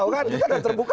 juga ada yang terbuka